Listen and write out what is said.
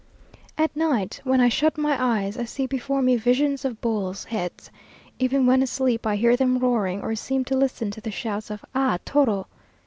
At night, when I shut my eyes, I see before me visions of bulls' heads. Even when asleep I hear them roaring, or seem to listen to the shouts of "_Ah toro!